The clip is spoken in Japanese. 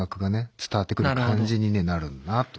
伝わってくる感じになるなと。